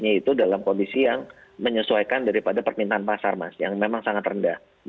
jadi itu dalam kondisi yang menyesuaikan daripada permintaan pasar mas yang memang sangat rendah